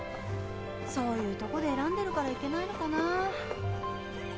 そういうとこで選んでるからいけないのかな。